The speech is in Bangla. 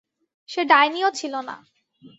সে ডাইনি ও ছিল না।